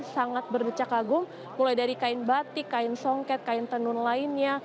sangat berdecak agung mulai dari kain batik kain songket kain tenun lainnya